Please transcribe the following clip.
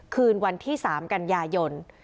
คืนวันที่๓กันยายน